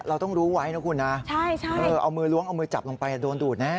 เราต้องรู้ไว้นะคุณนะเอามือล้วงเอามือจับลงไปโดนดูดแน่